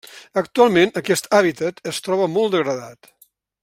Actualment aquest hàbitat es troba molt degradat.